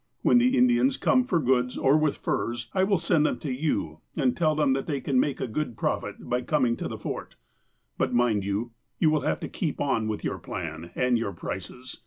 When the Indians come for goods, or with furs, I will send them to you, and tell them they can make a good profit by coming to the Fort. But, mind you, you will have to keep on with your plan, and your prices.